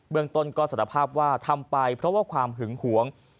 เมืองต้นก็สารภาพว่าทำไปเพราะว่าความหึงหวง